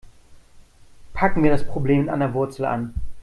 Packen wir das Problem an der Wurzel an.